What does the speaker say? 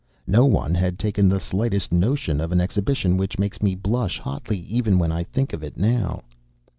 No one had taken the slightest notion of an exhibition which makes me blush hotly even when I think of it now.